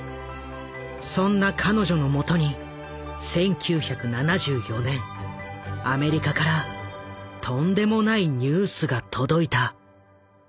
そんな彼女のもとに１９７４年アメリカからとんでもないニュースが届いた。